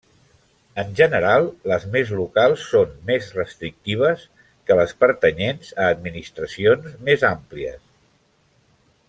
En general, les més locals són més restrictives que les pertanyents a administracions més àmplies.